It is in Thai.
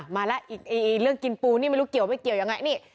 มาแล้วอีกเรื่องกินปูนี่ไม่รู้เกี่ยวไม่เกี่ยวยังไงนี่